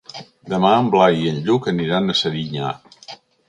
Demà en Blai i en Lluc aniran a Serinyà.